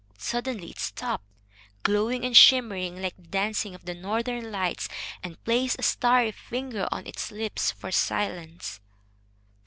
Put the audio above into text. Suddenly it stopped, glowing and shimmering like the dancing of the northern lights, and placed a starry finger on its lips for silence.